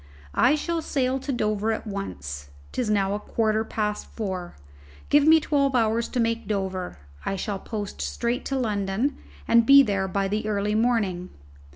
"I shall sail to Dover at once. 'Tis now a quarter past four. Give me twelve hours to make Dover: I shall post straight to London and be there by early morning.